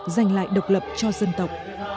dành lại độc lập cho dân tộc